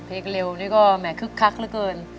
เพลงเร็วแล้วก็คึกคักเหลือเกิน